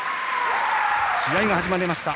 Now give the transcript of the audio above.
試合が始まりました。